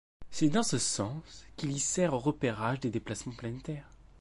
C'est dans ce sens qu'il y sert au repérage des déplacement planétaires.